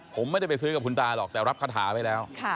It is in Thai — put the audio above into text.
ผมไม่ได้ไปซื้อกับคุณตาหรอกแต่รับคาถาไว้แล้ว